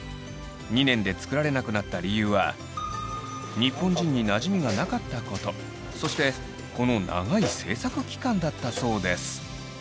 ２年で作られなくなった理由は日本人になじみがなかったことそしてこの長い制作期間だったそうです。